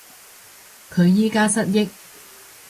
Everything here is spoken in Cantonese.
佢而家失憶